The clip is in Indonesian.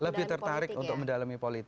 lebih tertarik untuk mendalami politik